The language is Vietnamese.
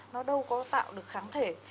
nó đâu có tạo được kháng thể